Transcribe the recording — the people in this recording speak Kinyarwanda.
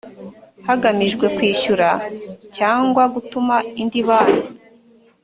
hagamijwe kwishyura cyangwa gutuma indi banki